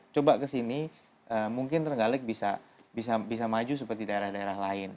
coba ke sini mungkin trenggalek bisa maju seperti daerah daerah lain